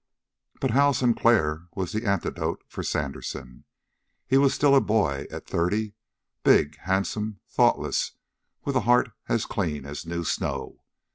But Hal Sinclair was the antidote for Sandersen. He was still a boy at thirty big, handsome, thoughtless, with a heart as clean as new snow.